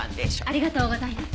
ありがとうございます。